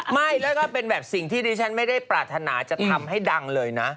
ไม่แล้วก็เป็นแบบสิ่งที่ดิฉันไม่ได้ปรารถนาจะทำให้ดังเลยนะ